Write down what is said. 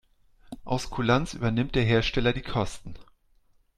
Aus Kulanz übernimmt der Hersteller die Kosten.